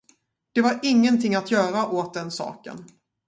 Det var ingenting att göra åt den saken.